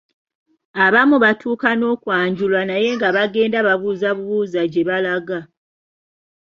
Abamu batuuka n’okwanjulwa naye nga bagenda babuuzabubuuza gye balaga.